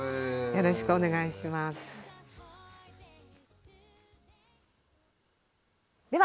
よろしくお願いします。